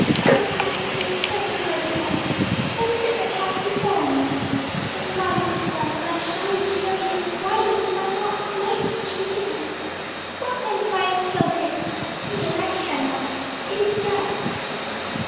"O Isis, tender hearted one, what is it that hath befallen me? O God of the Sun in thy shining chariot! why dost thou not smite such wickedness? What then if I have killed him. Nay, I care not! It is just."